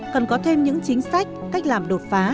cần có thêm những chính sách cách làm đột phá